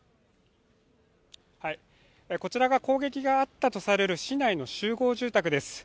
こちらが攻撃があったとされる市内の集合住宅です。